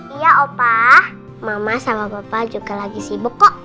iya opa mama sama bapak juga lagi sibuk kok